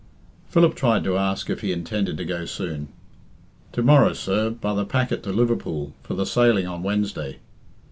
Philip tried to ask if he intended to go soon. "To morrow, sir, by the packet to Liverpool, for the sailing on Wednesday.